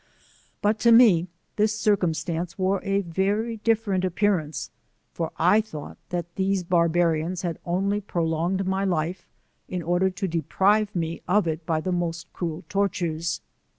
But to me this circumstance wor« a very different appearance, for I thought that these barbarians had only prolonged my life in order to deprive me of it by the most cruel tortures.